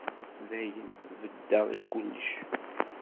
Dayen, beddeɣ i kullec.